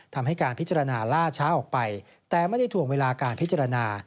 ทำให้การพิจารณาล่าช้าออกไปแต่ไม่ได้ถ่วงเวลาการพิจารณา